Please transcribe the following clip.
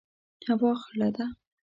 هوا خړه ده